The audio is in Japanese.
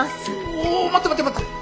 おお待って待って待って！